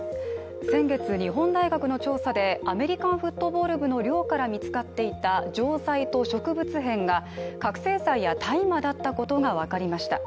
先月、日本大学の調査でアメリカンフットボール部の寮から見つかっていた錠剤と植物片が覚醒剤や大麻だったことが分かりました。